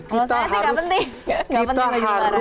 kalau saya sih gak penting